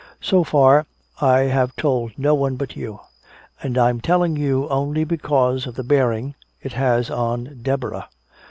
So far, I have told no one but you. And I'm telling you only because of the bearing it has on Deborah."